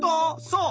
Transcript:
そう！